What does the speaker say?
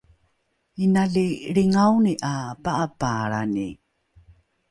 inali lringaoni ’a pa’apaalrani